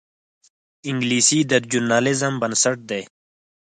انګلیسي د ژورنالیزم بنسټ ده